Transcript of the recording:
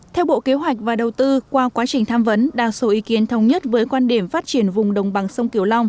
theo bộ kế hoạch và đầu tư qua quá trình tham vấn đa số ý kiến thông nhất với quan điểm phát triển vùng đồng bằng sông kiều long